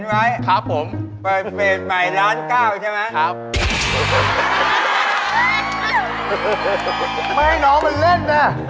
ไม่ให้น้องมันเล่นนะ